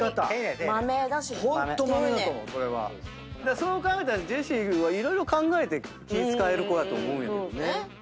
そう考えたらジェシーは色々考えて気ぃ使える子やと思うんやけどね。